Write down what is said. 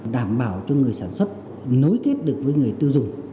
đảm bảo cho người sản xuất nối kết được với người tiêu dùng